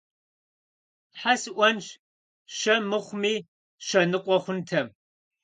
Тхьэ сӀуэнщ, щэ мыхъуми, щэ ныкъуэ хъунтэм!